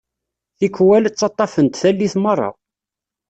Tikwal, ttaṭṭafen-t tallit merra.